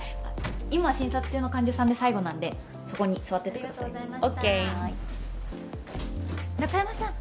今診察中の患者さんで最後なんでそこに座っててくださいＯＫ中山さん